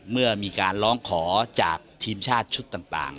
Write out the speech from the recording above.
เมื่อมีการร้องขอจากทีมชาติชุดต่าง